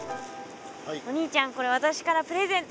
お兄ちゃんこれ私からプレゼント。